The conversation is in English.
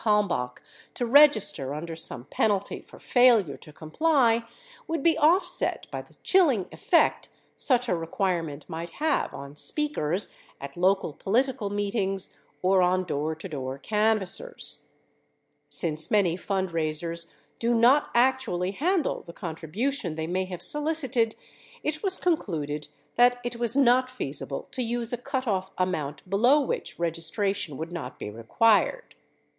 Kalmbach to register under some penalty for failure to comply would be offset by the chilling effect such a re quirement might have on speakers at local political meetings or on door to door canvassers. Since many fundraisers do not actually handle the contribution they may have solicited, it was concluded that it was not feasible to use a cutoff amount below which registration would not be required.